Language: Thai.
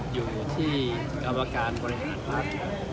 อยู่ที่กรรมการบริหารภาพ